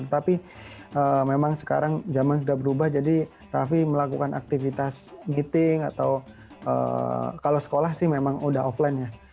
tapi memang sekarang zaman sudah berubah jadi raffi melakukan aktivitas meeting atau kalau sekolah sih memang udah offline ya